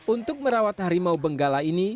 untuk merawat harimau benggala ini